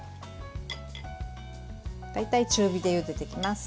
大体中火でゆでていきます。